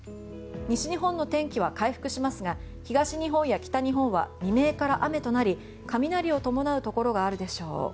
西日本の天気は回復しますが東日本や北日本は未明から雨となり雷を伴うところがあるでしょう。